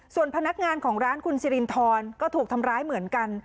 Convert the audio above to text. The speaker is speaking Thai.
ส่วนพนักงานของร้านคุณสิรินทรก็ถูกทำร้ายเหมือนกัน